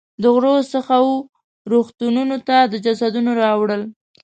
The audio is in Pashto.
د غرو څخه وه رغتونونو ته د جسدونو راوړل.